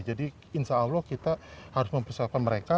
jadi insya allah kita harus mempersiapkan mereka